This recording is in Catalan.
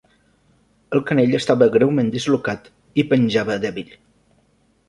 El canell estava greument dislocat i penjava dèbil.